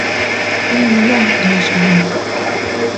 Һин минән көнләшәһең!